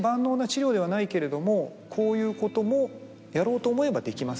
けれどもこういうこともやろうと思えばできます。